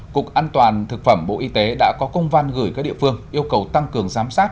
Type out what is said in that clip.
cục an toàn thực phẩm bộ y tế đã có công văn gửi các địa phương yêu cầu tăng cường giám sát